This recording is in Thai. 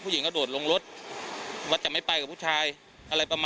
กู้ภัยก็เลยมาช่วยแต่ฝ่ายชายก็เลยมาช่วย